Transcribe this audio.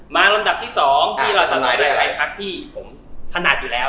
มาลำดับที่๒ที่เราจะทำนายไทยทักที่ผมถนัดอยู่แล้ว